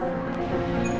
setia pak bos